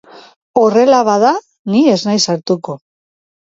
Horrela bada, ni ez naiz sartuko.